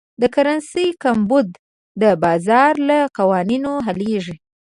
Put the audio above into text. د کرنسۍ کمبود د بازار له قوانینو حلېږي.